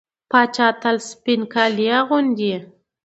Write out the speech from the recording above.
پاچا تل سپين کالي اغوندي .